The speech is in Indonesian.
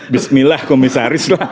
bismillah komisaris lah